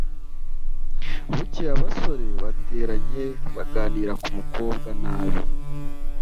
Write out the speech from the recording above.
bukeye abasore bateranye baganira ku mukobwa nabi